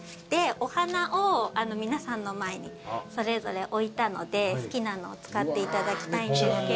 でお花を皆さんの前にそれぞれ置いたので好きなのを使っていただきたいんですけど。